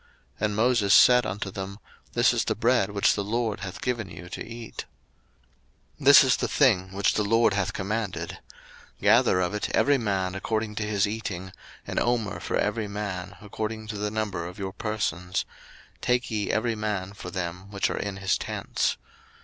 And Moses said unto them, This is the bread which the LORD hath given you to eat. 02:016:016 This is the thing which the LORD hath commanded, Gather of it every man according to his eating, an omer for every man, according to the number of your persons; take ye every man for them which are in his tents.